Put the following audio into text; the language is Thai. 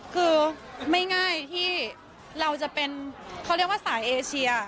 คือไม่ง่ายที่เราจะเป็นเขาเรียกว่าสายเอเชีย